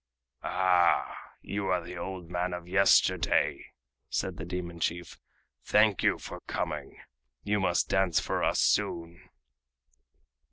"Ah, you are the old man of yesterday," said the demon chief. "Thank you for coming, you must dance for us soon."